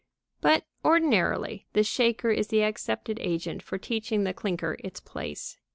But, ordinarily, the shaker is the accepted agent for teaching the clinker its place.